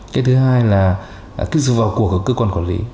cái thứ hai là kích dụng vào cuộc của cơ quan quản lý